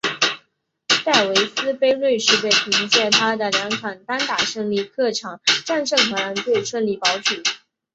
戴维斯杯瑞士队凭藉他的两场单打胜利客场战胜荷兰队顺利保组。